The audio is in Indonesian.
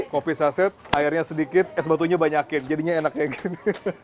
kopi saset airnya sedikit es batunya banyakin jadinya enak kayak gini